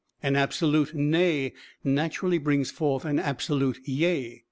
An absolute 'Nay' naturally brings forth an absolute 'Yea.'"